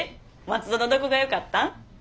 松戸のどこがよかったん？